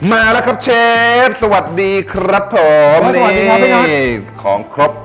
มาแล้วครับเชฟสวัสดีครับผมสวัสดีครับวันนี้ของครบ